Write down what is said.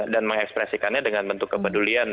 dan mengekspresikannya dengan bentuk kepedulian